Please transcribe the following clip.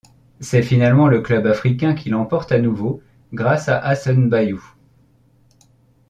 C'est finalement le Club africain qui l'emporte à nouveau grâce à Hassen Bayou.